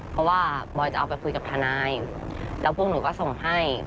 เพราะว่าบอยจะเอาไปคุยกับทนายแล้วพวกหนูก็ส่งให้